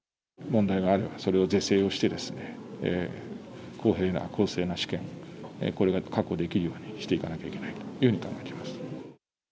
問題があれば、それを是正をして、公平な公正な試験、これが確保できるようにしていかなきゃいけないというふうに考えています。